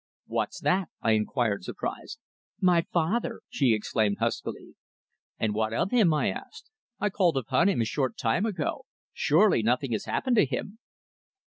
"What's that?" I inquired, surprised. "My father!" she exclaimed huskily. "And what of him?" I asked. "I called upon him a short time ago. Surely nothing has happened to him?"